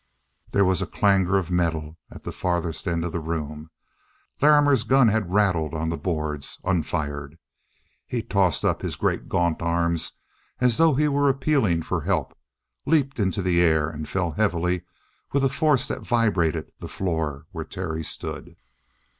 There was a clangor of metal at the farthest end of the room. Larrimer's gun had rattled on the boards, unfired. He tossed up his great gaunt arms as though he were appealing for help, leaped into the air, and fell heavily, with a force that vibrated the floor where Terry stood.